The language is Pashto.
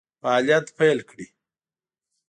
فعالیت پیل کړي.